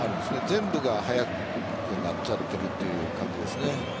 全部が速くなっちゃってるという感じですね。